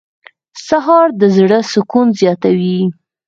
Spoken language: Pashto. سهار د زړه سکون زیاتوي.